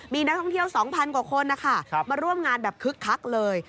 มีนักท่องเที่ยว๒๐๐กว่าคนนะคะมาร่วมงานแบบคึกคักเลย